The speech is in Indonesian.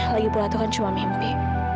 lagipula itu kan cuma mimpi